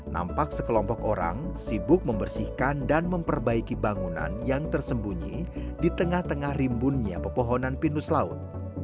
nampak sekelompok orang sibuk membersihkan dan memperbaiki bangunan yang tersembunyi di tengah tengah rimbunnya pepohonan pinus laut